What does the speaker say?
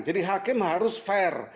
jadi hakim harus fair